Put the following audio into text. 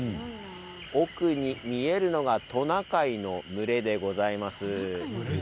奥に見えるのがトナカイの群れでございます。